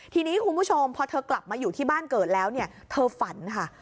ทีนี้คุณผู้ชมพอเธอกลับมาอยู่ที่บ้านเกิดแล้วเนี่ยเธอฝันค่ะ